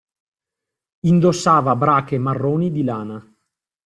Indossava brache marroni di lana.